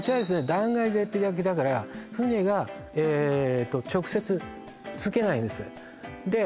断崖絶壁だから船がえーっと直接着けないんですで